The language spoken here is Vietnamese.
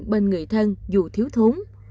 bên người thân dù thiếu thốn